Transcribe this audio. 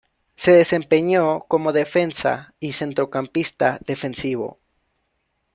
Se desempeñó como defensa y centrocampista defensivo.